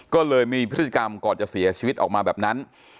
ก็เลยมีพฤติกรรมก่อนจะเสียชีวิตออกมาแบบนั้น